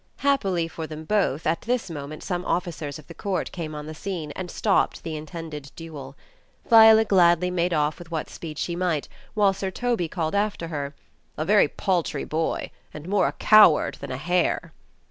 Happily for them both, at this moment some officers ol the Court came on the scene, and stopped the intended duel. Viola gladly made off with what speed she might, while Sir Toby called after her — "A very paltry boy, and more a coward than a hare